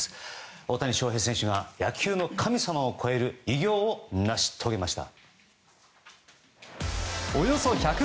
大谷翔平選手が野球の神様を超える偉業を成し遂げました。